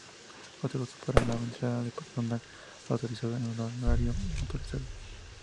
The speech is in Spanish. Otro uso es parar la entrada del personal autorizado en horario no autorizado.